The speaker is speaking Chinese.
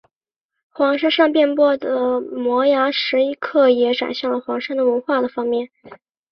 黄山上遍布的摩崖石刻也展现了黄山的文化方面。